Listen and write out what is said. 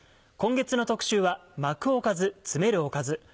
今月の特集は「巻くおかず、詰めるおかず」。